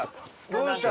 どうした？